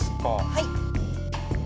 はい。